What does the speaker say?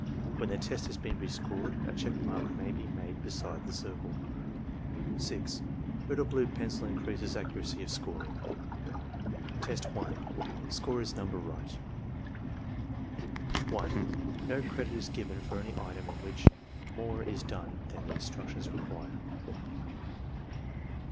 When the test has been re scored, a check mark may be made beside the drcle. 6. Red or blue pencil increases accuracy of scoring. Testl (Score is nmnber right.) 1. No credit is given for any item in which more is done than the instructions require.